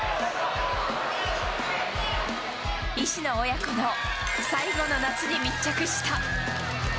石野親子の最後の夏に密着した。